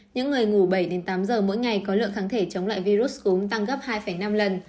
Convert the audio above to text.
những người ngủ bảy đến tám giờ mỗi ngày có lượng kháng thể chống lại virus cúm tăng gấp hai năm lần